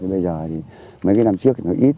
bây giờ thì mấy cái năm trước thì nó ít